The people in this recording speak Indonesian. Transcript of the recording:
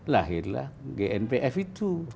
lahirlah gnpf itu